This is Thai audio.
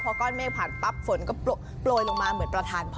พอก้อนเมฆผ่านปั๊บฝนก็โปรยลงมาเหมือนประธานพ่อ